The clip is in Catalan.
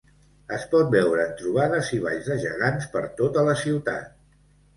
Es pot veure en trobades i balls de gegants per tota la ciutat.